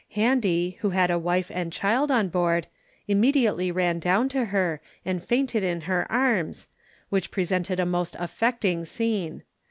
Handy, who had a wife and child on board, immediately ran down to her, and fainted in her arms, which presented a most affecting scene.